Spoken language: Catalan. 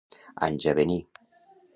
Anys a venir.